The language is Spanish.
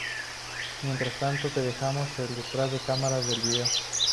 Mientras tanto te dejamos el detrás de cámara del video.